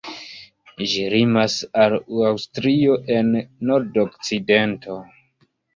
Ĝi limas al Aŭstrio en la nordokcidento.